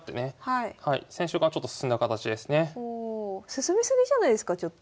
進み過ぎじゃないですかちょっと。